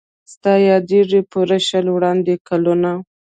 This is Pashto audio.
ستا یادیږي پوره شل وړاندي کلونه